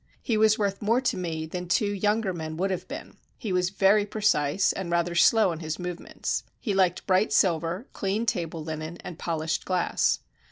He was worth more to me than two younger men would have been. He was very precise and rather slow in his movements. He liked bright silver, clean table linen, and polished glass.